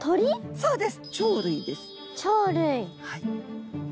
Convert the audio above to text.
そうです！